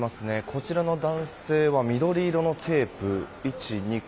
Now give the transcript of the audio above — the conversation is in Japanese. こちらの男性は緑色のテープを１、２個。